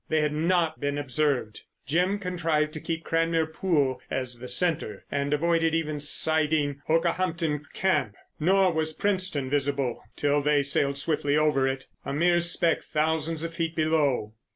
They had not been observed. Jim contrived to keep Cranmere Pool as the centre and avoided even sighting Okehampton Camp, nor was Princetown visible till they sailed swiftly over it—a mere speck thousands of feet below.